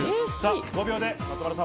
５秒で松丸さん